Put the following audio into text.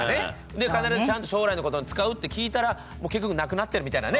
で必ずちゃんと将来のことに使うって聞いたら結局無くなってるみたいなね。